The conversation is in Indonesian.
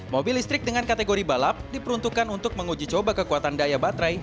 mobil listrik dengan kategori balap diperuntukkan untuk menguji coba kekuatan daya baterai